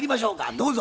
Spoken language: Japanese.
どうぞ。